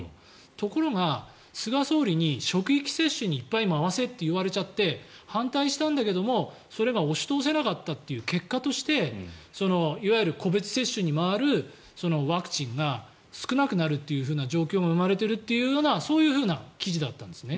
ところが、菅総理に職域接種にいっぱい回せと言われちゃって反対したんだけどもそれが押し通せなかったという結果としてそのいわゆる個別接種に回るワクチンが少なくなるという状況が生まれているというそういうふうな記事だったんですね。